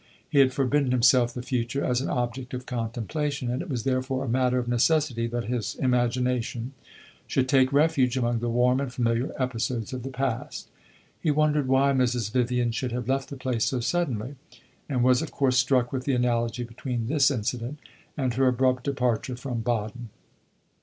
He had forbidden himself the future, as an object of contemplation, and it was therefore a matter of necessity that his imagination should take refuge among the warm and familiar episodes of the past. He wondered why Mrs. Vivian should have left the place so suddenly, and was of course struck with the analogy between this incident and her abrupt departure from Baden.